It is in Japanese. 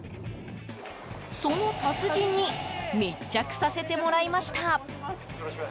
その達人に密着させてもらいました。